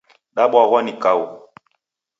Dabwaghwa ni kau.